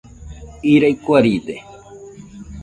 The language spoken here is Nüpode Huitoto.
Irai kuaride.